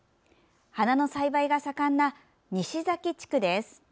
花の栽培が盛んな西岬地区です。